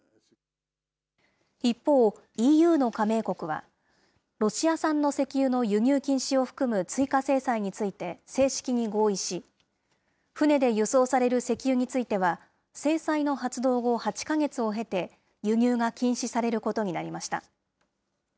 一方、ＥＵの加盟国は、ロシア産の石油の輸入禁止を含む追加制裁について正式に合意し、船で輸送される石油については、制裁の発動後８か月を経て、輸入が禁止されることになりました。